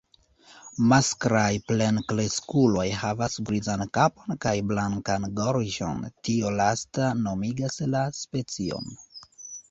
Masklaj plenkreskuloj havas grizan kapon kaj blankan gorĝon, tio lasta nomigas la specion.